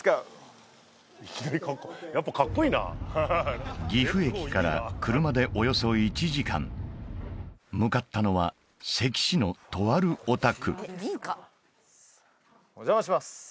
レッツゴー岐阜駅から車でおよそ１時間向かったのは関市のとあるお宅お邪魔します